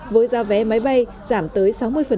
với giá vé máy bay giảm tới sáu mươi